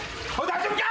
大丈夫か！？